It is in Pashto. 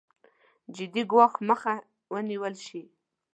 جدي ګواښ مخه ونېول شي.